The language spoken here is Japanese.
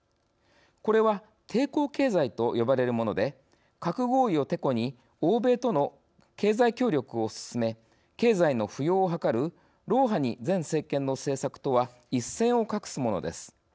これは「抵抗経済」と呼ばれるもので「核合意」をテコに欧米との経済協力を進め経済の浮揚を図るロウハニ前政権の政策とは一線を画すものです。